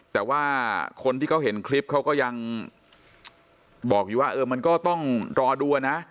แต่ว่าคนที่เขาเห็นคลิปเขาก็ยังบอกอยู่ว่าเออมันก็ต้องรอดูนะ